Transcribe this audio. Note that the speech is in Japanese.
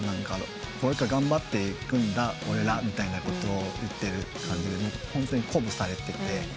「頑張っていくんだ俺ら」みたいなことを言ってる感じでホントに鼓舞されてて。